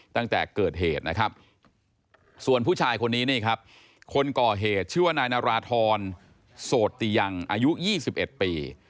ตั้งแต่เกิดเหตุนะครับส่วนผู้ชายคนนี้นี่ครับคนก่อเหตุชื่อว่านายนาราธรโสติยังอายุ๒๑ปี